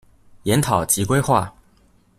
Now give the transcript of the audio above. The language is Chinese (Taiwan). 研討及規劃